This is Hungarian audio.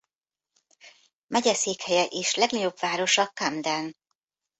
Megyeszékhelye és legnagyobb városa Camden.